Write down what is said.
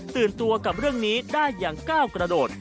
ตัวกับเรื่องนี้ได้อย่างก้าวกระโดด